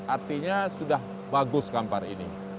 artinya sudah bagus kampar ini